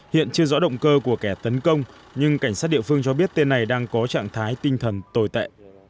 hiện chưa rõ động cơ của kẻ tấn công nhưng cảnh sát địa phương cho biết tên này đang có trạng thái tinh thần tồi tệ